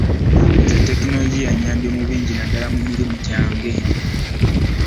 Nze tekinologiya annyambye mu bingi naddala mu mirimu gyange.